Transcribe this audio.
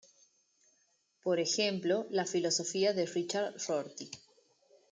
Por ejemplo la filosofía de Richard Rorty.